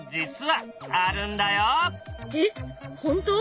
えっほんと？